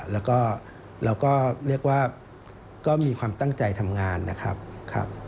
แล้วก็เราก็เรียกว่าก็มีความตั้งใจทำงานนะครับ